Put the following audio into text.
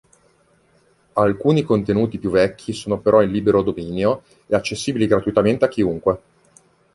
Alcuni contenuti più vecchi sono però in libero dominio e accessibili gratuitamente a chiunque.